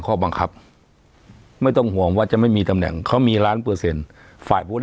ข้อบังคับไม่ต้องห่วงว่าจะไม่มีตำแหน่งเขามีล้านเปอร์เซ็นต์ฝ่ายผู้ได้